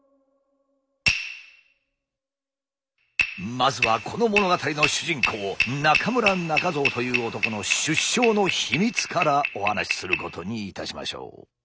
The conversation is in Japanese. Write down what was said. まずはこの物語の主人公中村仲蔵という男の出生の秘密からお話しすることにいたしましょう。